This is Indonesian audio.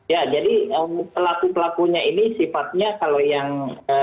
ya jadi pelaku pelakunya ini sifatnya kalau yang kami sampaikan tadi